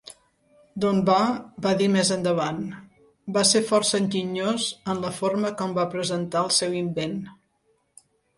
Dunbar va dir més endavant: "Va ser força enginyós en la forma com va presentar el seu invent".